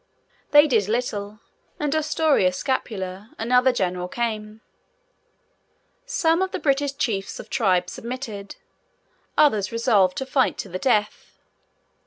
They did little; and Ostorius Scapula, another general, came. Some of the British Chiefs of Tribes submitted. Others resolved to fight to the death.